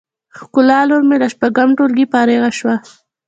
ښکلا لور می له شپږم ټولګی فارغه شوه